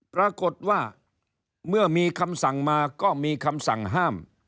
ปรากฏว่าเมื่อมีคำสั่งมาก็มีคำสั่งห้าม